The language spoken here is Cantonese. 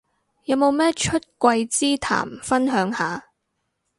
有冇咩出櫃之談分享下